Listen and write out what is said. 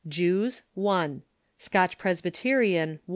Jews, !; Scotch Presbyterian